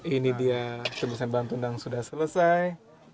ini dia semisal bantunang sudah selesai